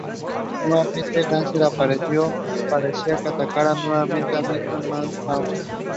The rain reversed these conditions.